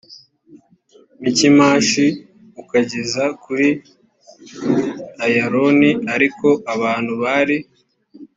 mikimashi ukageza kuri ayaloni ariko abantu bari